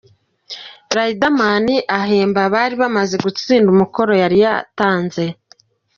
Riderman ahemba abari bamaze gutsinda umukoro yari yatanze.